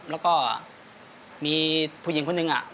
แล้วก็มีผู้หญิงคนหนึ่ง